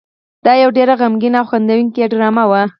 دا یو ډېره غمګینه او خندوونکې ډرامه وه.